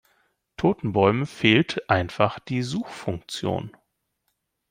Toten Bäumen fehlt einfach die Suchfunktion.